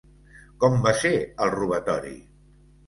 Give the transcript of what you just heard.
Com va ser el robatori?